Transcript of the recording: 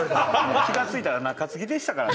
気がついたら中継ぎでしたからね